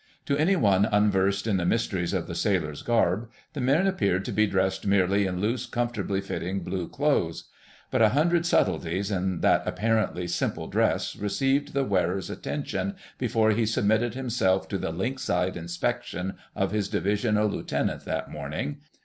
To any one unversed in the mysteries of the sailors' garb, the men appeared to be dressed merely in loose, comfortably fitting blue clothes. But a hundred subtleties in that apparently simple dress received the wearer's attention before he submitted himself to the lynx eyed inspection of his Divisional Lieutenant that morning.